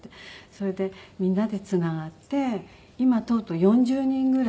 それでみんなでつながって今とうとう４０人ぐらい。